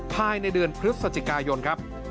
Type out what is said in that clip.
ภายในเดือนพฤศจิกายนครับ